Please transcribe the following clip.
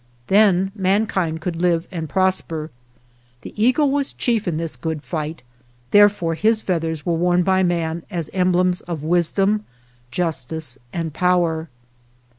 Then mankind could live and prosper. The eagle was chief in this good fight: therefore, his feathers were worn by man as emblems of wisdom, justice, and power.